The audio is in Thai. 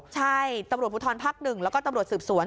ใช่ตำรวจพุทธรพักหนึ่งแล้วก็ตำรวจสืบสวน